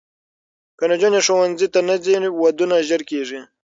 که نجونې ښوونځي ته نه ځي، ودونه ژر کېږي.